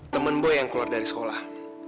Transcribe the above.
temen boy yang keluar dari sekolah